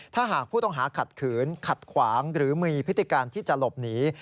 ถ้าหากผู้ต้องหาขัดขืนขัดขวางหรือมีพฤติการที่จะหลบหนี